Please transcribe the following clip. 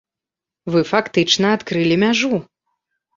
Вы фактычна адкрылі мяжу.